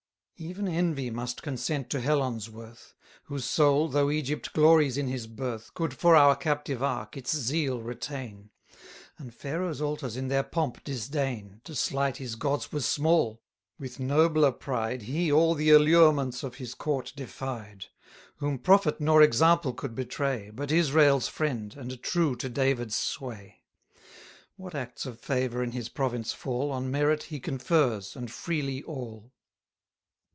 Even envy must consent to Helon's worth, Whose soul, though Egypt glories in his birth, Could for our captive ark its zeal retain. And Pharaoh's altars in their pomp disdain: To slight his gods was small; with nobler pride, He all the allurements of his court defied; Whom profit nor example could betray, But Israel's friend, and true to David's sway. 1010 What acts of favour in his province fall On merit he confers, and freely all.